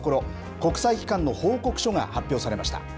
国際機関の報告書が発表されまし